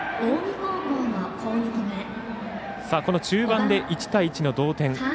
中盤で１対１の同点。